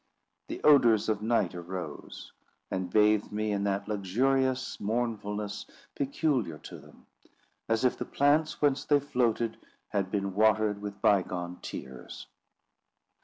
The odours of night arose, and bathed me in that luxurious mournfulness peculiar to them, as if the plants whence they floated had been watered with bygone tears.